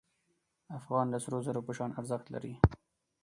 افغان د سرو زرو په شان ارزښت لري.